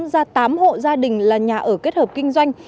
ra tám hộ gia đình là nhà ở kết hợp kinh doanh